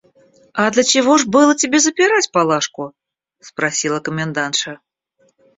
– «А для чего ж было тебе запирать Палашку? – спросила комендантша.